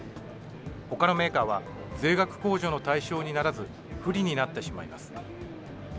ほかのメーカーは税額控除の対象にならず、不利になってしまいます。